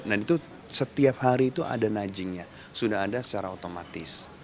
nah itu setiap hari itu ada najingnya sudah ada secara otomatis